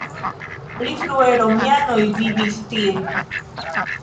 Pli frue romianoj vivis tie.